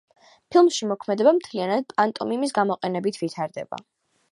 ფილმში მოქმედება მთლიანად პანტომიმის გამოყენებით ვითარდება.